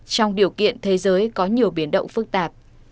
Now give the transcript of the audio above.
trong điều kiện thế giới có nhiều biến động phức tạp